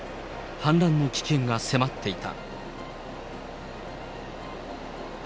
氾濫の危険が迫っていた。